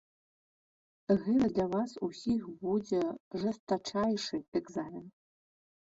Гэта для вас усіх будзе жэстачайшы экзамен.